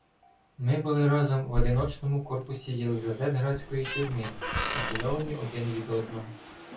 Ми були разом в "одиночному" корпусі єлисавет- градської тюрми, ізольовані один від одного.